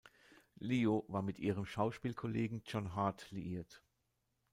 Leo war mit ihrem Schauspielkollegen John Heard liiert.